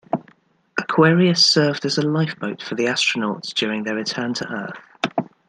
"Aquarius" served as a "lifeboat" for the astronauts during their return to Earth.